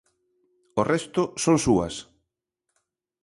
O resto son súas.